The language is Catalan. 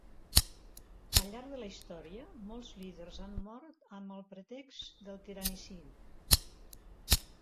Al llarg de la història, molts líders han mort amb el pretext del tiranicidi.